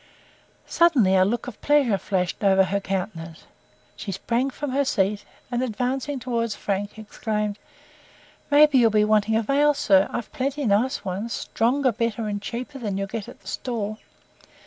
Suddenly a look of pleasure flashed over her countenance. She sprang from her seat, and advancing towards Frank, exclaimed: "Maybe you'll be wanting a veil, Sir. I've plenty nice ones, stronger, better, and cheaper than you'll get at the store.